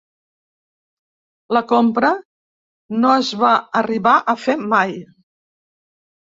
La compra no es va arribar a fer mai.